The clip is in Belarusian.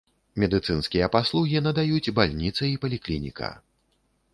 Медыцынскія паслугі надаюць бальніца і паліклініка.